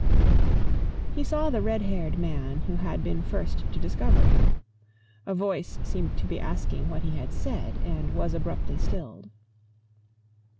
He saw the red haired man who had been first to discover him. A voice seemed to be asking what he had said, and was abruptly stilled.